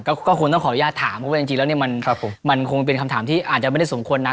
ก็คงต้องขออนุญาตถามเพราะว่าจริงแล้วเนี่ยมันคงเป็นคำถามที่อาจจะไม่ได้สมควรนัก